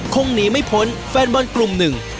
คงหนีไม่พ้นแฟนบอลกลุ่มหนึ่ง